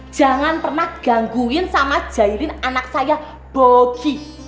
jangan pernah gangguin sama jairin anak saya bogi